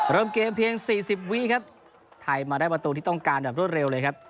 เริ่มเกมเพียง๔๐วิครับไทยมาได้ประตูที่ต้องการแบบรวดเร็วเลยครับ